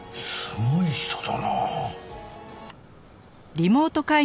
すごい人だな。